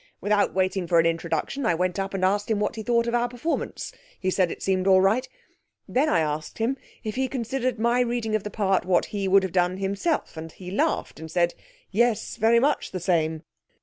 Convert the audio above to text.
Without waiting for an introduction, I went up and asked him what he thought of our performance. He said it seemed all right. Then I asked him if he considered my reading of my part what he would have done himself, and he laughed and said, "Yes, very much the same."